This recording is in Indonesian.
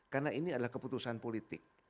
karena ini adalah keputusan politik